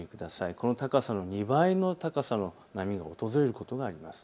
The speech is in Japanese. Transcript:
この高さの２倍の高さの波が訪れることがあります。